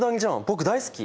僕大好き！